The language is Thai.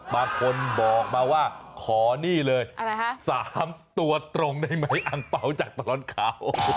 บางคนบอกมาว่าขอนี่เลย๓ตัวตรงได้ไหมอังเป๋าจากตลอดข่าว